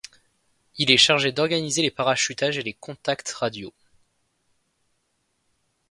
Il est chargé d'organiser les parachutages et les contacts radios.